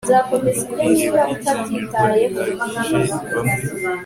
bikwiriye kwitonderwa bihagije Bamwe